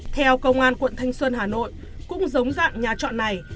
theo công an quận thanh xuân hà nội cũng giống dạng nhà trọ này